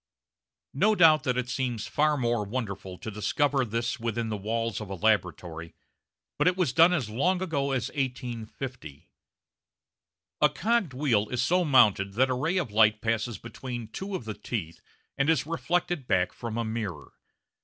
No doubt it seems far more wonderful to discover this within the walls of a laboratory, but it was done as long ago as 1850. A cogged wheel is so mounted that a ray of light passes between two of the teeth and is reflected back from a mirror.